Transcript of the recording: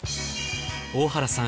大原さん